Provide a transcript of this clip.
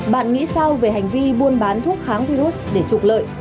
bạn nghĩ sao về hành vi buôn bán thuốc kháng virus để trục lợi